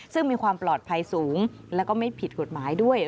ซึ่งมีความปลอดภัยสูงแล้วก็ไม่ผิดกฎหมายด้วย